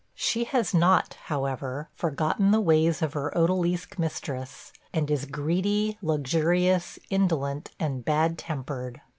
She has not, however, forgotten the ways of her odalisque mistress, and is greedy, luxurious, indolent, and bad tempered.